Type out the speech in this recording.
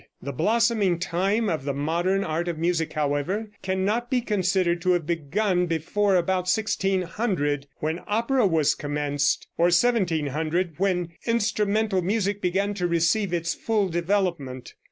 The blossoming time of the modern art of music, however, cannot be considered to have begun before about 1600, when opera was commenced; or 1700, when instrumental music began to receive its full development.